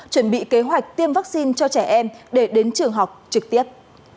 chuẩn bị kế hoạch tiêm vaccine cho trẻ em để đến trường học trực tiếp